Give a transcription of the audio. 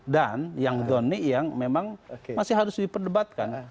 dan yang dhoni yang memang masih harus diperdebatkan